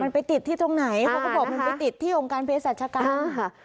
มันไปติดที่ตรงไหนเขาก็บอกมันไปติดที่องค์การเพศรัชกรรมค่ะ